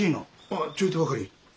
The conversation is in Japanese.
ああちょいとばかり。